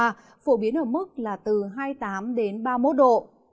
phổ biến ở mức là từ hai mươi tám đến ba mươi một độ